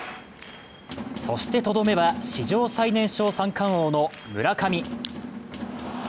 そして、とどめは史上最年少三冠王の村上。